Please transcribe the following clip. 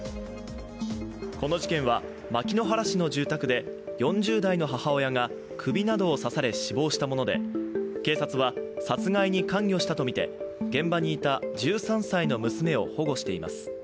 この事件は牧之原市の住宅で４０代の母親が首などを刺され死亡したもので、警察は殺害に関与したとみて現場にいた１３歳の娘を保護しています。